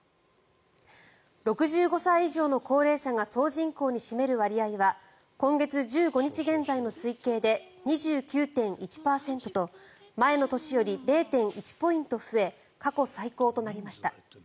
６５歳以上の高齢者が総人口に占める割合は今月１５日現在の推計で２９．１％と前の年より０．１ポイント増え過去最高となりました。